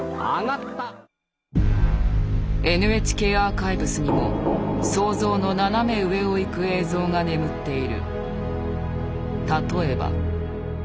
ＮＨＫアーカイブスにも想像の斜め上をいく映像が眠っている。